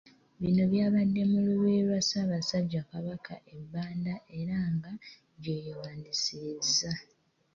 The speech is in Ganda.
Bino byabadde mu Lubiri lwa Ssaabasajja Kabaka e Banda era nga gye yewandisiriza.